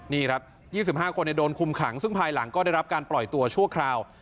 นี่ครับ๒๕คนโดนคุมขังซึ่งภายหลังก็ได้รับการปล่อยตัวชั่วคราว